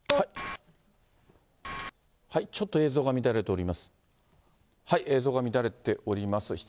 ちょっと、映像が乱れております。